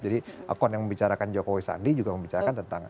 jadi akun yang membicarakan jokowi sandi juga membicarakan tentang